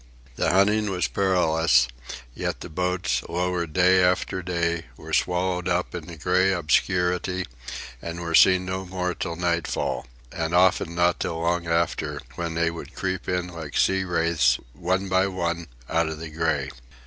The hunting was perilous; yet the boats, lowered day after day, were swallowed up in the grey obscurity, and were seen no more till nightfall, and often not till long after, when they would creep in like sea wraiths, one by one, out of the grey.